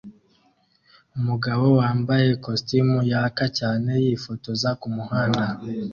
Umugabo wambaye ikositimu yaka cyane yifotoza kumuhanda